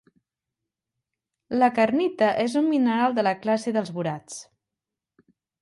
La kernita és un mineral de la classe dels borats.